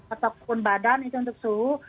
ataupun badan itu untuk suhu